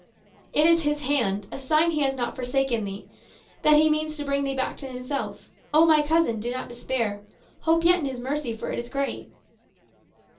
"It is his hand; a sign he has not forsaken thee; that he means to bring thee back to himself. Oh, my cousin, do not despair. Hope yet in his mercy, for it is great."